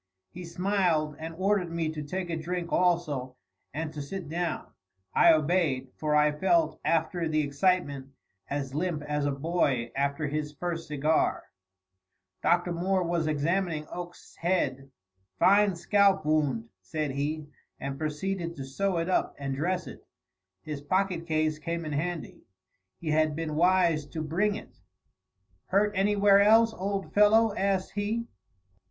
He smiled and ordered me to take a drink also, and to sit down. I obeyed, for I felt, after the excitement, as limp as a boy after his first cigar. Dr. Moore was examining Oakes's head. "Fine scalp wound," said he, and proceeded to sew it up and dress it. His pocket case came in handy. He had been wise to bring it. "Hurt anywhere else, old fellow?" asked he.